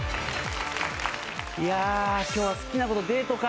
いや今日は好きな子とデートか。